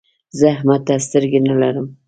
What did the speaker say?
زه احمد ته سترګې نه لرم.